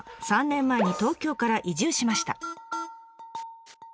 ３年前に東京から移住しました。